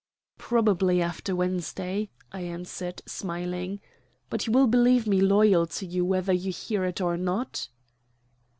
"Probably after Wednesday," I answered, smiling. "But you will believe me loyal to you whether you hear it or not?"